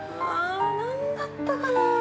あ何だったかな？